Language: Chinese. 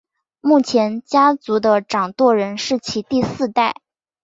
目前家族的掌舵人是其第四代。